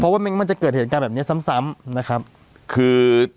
ว่าไม่งั้นมันจะเกิดเหตุการณ์แบบนี้ซ้ำซ้ำนะครับคือ